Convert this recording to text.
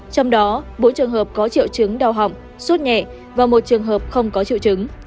trong đó bốn trường hợp có triệu chứng đau họng suốt nhẹ và một trường hợp không có triệu chứng